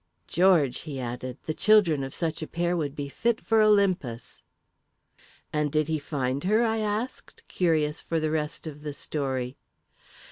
George!" he added, "the children of such a pair would be fit for Olympus!" "And did he find her?" I asked, curious for the rest of the story.